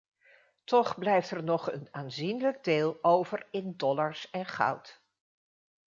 Toch blijft er nog een aanzienlijk deel over in dollars en goud.